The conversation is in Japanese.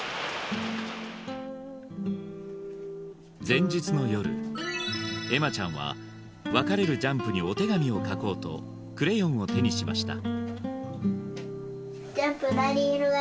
前日の夜愛舞ちゃんは別れるジャンプにお手紙を書こうとクレヨンを手にしました